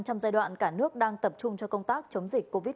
trong giai đoạn cả nước đang tập trung cho công tác chống dịch covid một mươi chín